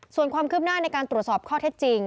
ส่วนความคืบหน้าในการตรวจสอบข้อเท็จจริง